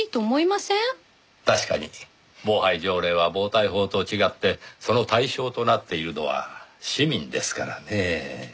確かに暴排条例は暴対法と違ってその対象となっているのは市民ですからねぇ。